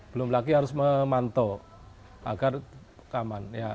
belum lagi harus memantau agar aman